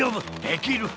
できる！